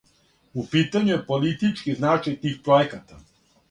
У питању је политички значај тих пројеката.